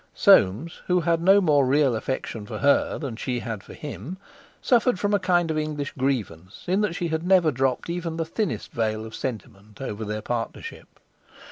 Soames, who had no more real affection for her than she had for him, suffered from a kind of English grievance in that she had never dropped even the thinnest veil of sentiment over their partnership.